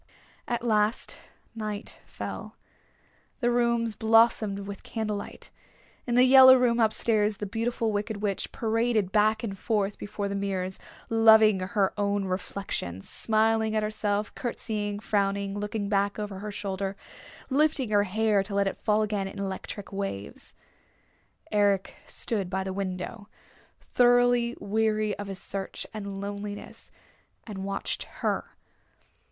At last night fell. The rooms blossomed with candlelight. In the yellow room up stairs the Beautiful Wicked Witch paraded back and forth before the mirrors, loving her own reflection, smiling at herself, courtesying, frowning, looking back over her shoulder, lifting her hair to let it fall again in electric waves. Eric stood by the window, thoroughly weary of his search and loneliness, and watched her.